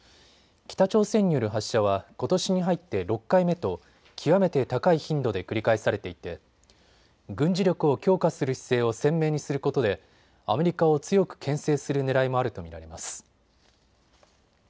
北朝鮮による発射はことしに入って６回目と極めて高い頻度で繰り返されていて軍事力を強化する姿勢を鮮明にすることでアメリカを強くけん制するねらいもあると見られます。